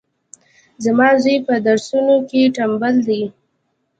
زما زوی پهدرسونو کي ټمبل دی